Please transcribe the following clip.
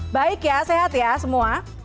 baik ya sehat ya semua